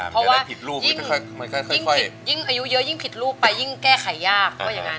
เพราะว่ายิ่งอายุเยอะยิ่งผิดรูปไปยิ่งแก้ไขยาก